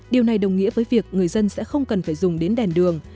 điều này đồng nghĩa với việc người dân sẽ không cần phải dùng đến đèn đường